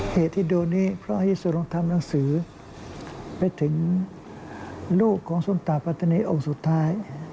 เหตุที่โดนนี้เพราะฮิสรทำหนังสือไปถึงลูกของส้มตาปัตตานีองค์สุดท้าย